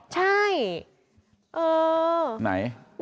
ใช่จริงเออ